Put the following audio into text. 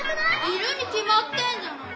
いるにきまってんじゃないか。